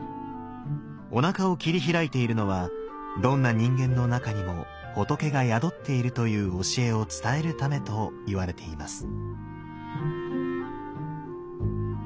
おなかを切り開いているのはどんな人間の中にも仏が宿っているという教えを伝えるためといわれています。